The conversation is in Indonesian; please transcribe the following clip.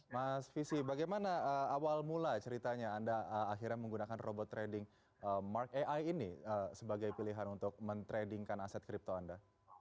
mas visi bagaimana awal mula ceritanya anda akhirnya menggunakan robot trading mark ai ini sebagai pilihan untuk mentradingkan aset kripto anda